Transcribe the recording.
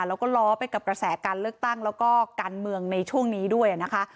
แล้วก็ล้อไปกับกระแสการเลือกตั้งแล้วก็การเมืองในช่วงนี้ด้วยนะคะ